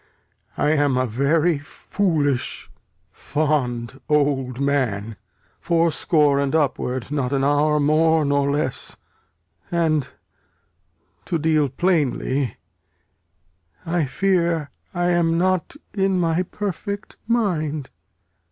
I am a very foolish fond old man, Fourscore and upward, not an hour more nor less; And, to deal plainly, I fear I am not in my perfect mind.